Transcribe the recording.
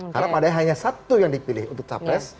karena padahal hanya satu yang dipilih untuk capres